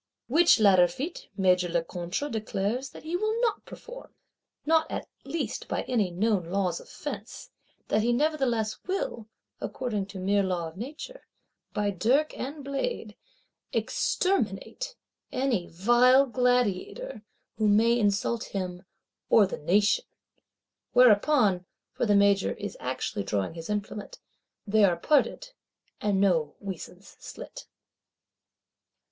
Which latter feat Major Lecointre declares that he will not perform, not at least by any known laws of fence; that he nevertheless will, according to mere law of Nature, by dirk and blade, "exterminate" any "vile gladiator," who may insult him or the Nation;—whereupon (for the Major is actually drawing his implement) "they are parted," and no weasands slit.